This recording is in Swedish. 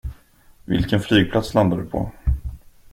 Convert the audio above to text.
Vilken flygplats landar du på?